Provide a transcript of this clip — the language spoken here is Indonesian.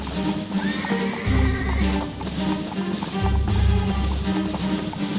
kamu di rumah anakku sri